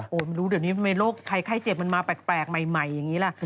โอ้โหไม่รู้เดี๋ยวนี้ทำไมโรคภัยไข้เจ็บมันมาแปลกใหม่อย่างนี้ล่ะ